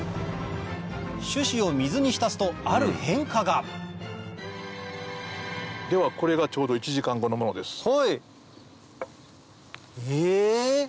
種子を水に浸すとある変化がではこれがちょうど１時間後のものです。え！